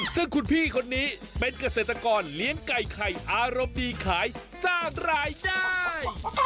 ซึ่งคุณพี่คนนี้เป็นเกษตรกรเลี้ยงไก่ไข่อารมณ์ดีขายสร้างรายได้